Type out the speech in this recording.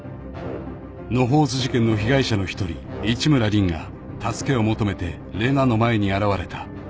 ［野放図事件の被害者の一人市村凜が助けを求めて玲奈の前に現れた］